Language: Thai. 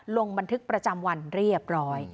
ลงบันทึกประจำวันเรียบร้อย